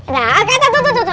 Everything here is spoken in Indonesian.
nah oke satu satu oke